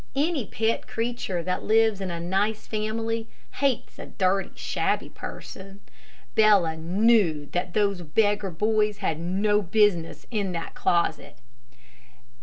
Any pet creature that lives in a nice family hates a dirty, shabby person. Bella knew that those beggar boys had no business in that closet.